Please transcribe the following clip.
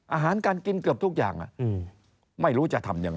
อาหารการกินเกือบทุกอย่างไม่รู้จะทำยังไง